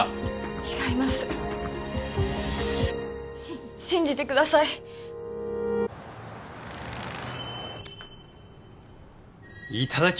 違います信じてくださいいただき